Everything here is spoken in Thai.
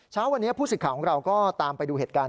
เช้าวันนี้ผู้สิทธิ์ของเราก็ตามไปดูเหตุการณ์